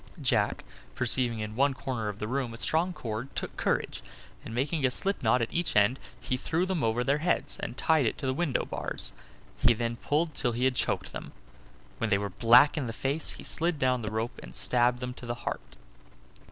Jack, perceiving in one corner of the room a strong cord, took courage, and making a slip knot at each end, he threw them over their heads, and tied it to the window bars; he then pulled till he had choked them. When they were black in the face he slid down the rope and stabbed them to the heart.